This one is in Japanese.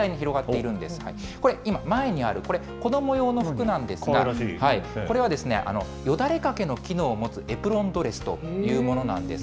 これ、今、前にあるこれ、子ども用の服なんですが、これはよだれ掛けの機能を持つエプロンドレスというものなんです。